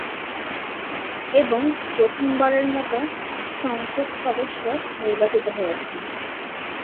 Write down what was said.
এবং প্রথম বারের মতো সংসদ সদস্য নির্বাচিত হয়েছেন।